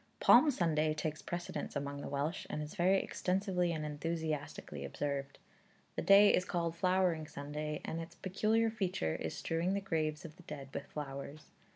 Palm Sunday takes precedence among the Welsh, and is very extensively and enthusiastically observed. The day is called Flowering Sunday, and its peculiar feature is strewing the graves of the dead with flowers.